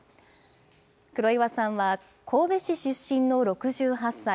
黒岩さんは神戸市出身の６８歳。